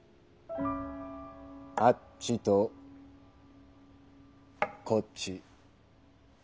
「あっち」と「こっち」。